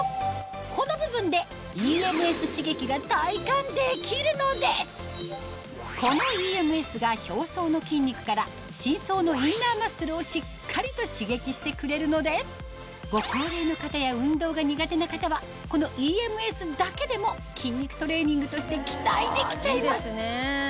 この部分でＥＭＳ刺激が体感できるのですこのＥＭＳが表層の筋肉から深層のインナーマッスルをしっかりと刺激してくれるのでご高齢の方や運動が苦手な方はこのＥＭＳだけでも筋肉トレーニングとして期待できちゃいます